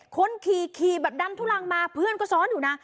คนขี่ขี่แบบดำทุลังมาเพื่อนก็ซ้อนอยู่นะ